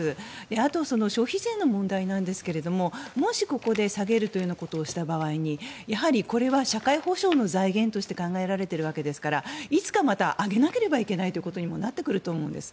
あと、消費税の問題なんですがもしここで下げるということをした場合にやはりこれは社会保障の財源として考えられているわけですからいつかまた上げなければいけないということにもなってくると思うんです。